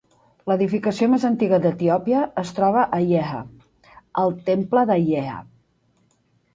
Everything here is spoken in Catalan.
L'edificació més antiga d'Etiòpia es troba a Yeha: el temple de Yeha.